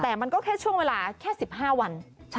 แต่มันก็แค่ช่วงเวลาแค่๑๕วัน